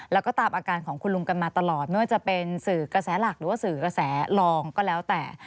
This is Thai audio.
แล้วก็ตามอาการของคุณลุงกันมาตลอดไม่ว่าจะเป็นสื่อกระแสหลักหรือว่าสื่อกระแสลองก็แล้วแต่